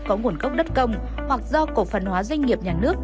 có nguồn gốc đất công hoặc do cổ phần hóa doanh nghiệp nhà nước